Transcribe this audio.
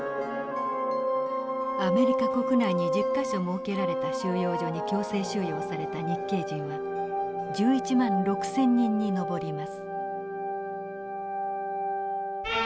アメリカ国内に１０か所設けられた収容所に強制収容された日系人は１１万６，０００人に上ります。